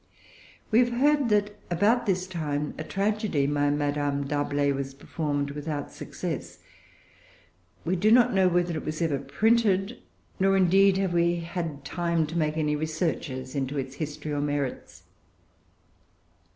We have heard that, about this time, a tragedy by Madame D'Arblay was performed without success. We do not know whether it was ever printed; nor indeed have we had time to make any researches into its history or merits.